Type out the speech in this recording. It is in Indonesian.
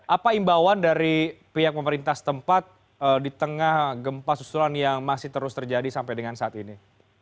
apa imbauan dari pihak pemerintah setempat di tengah gempa susulan yang masih terus terjadi sampai dengan saat ini